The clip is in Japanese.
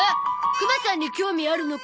クマさんに興味あるのか？